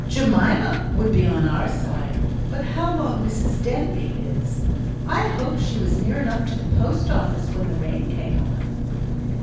"Jemima would be on our side. But how long Mrs Denbigh is! I hope she was near enough the post office when the rain came on!"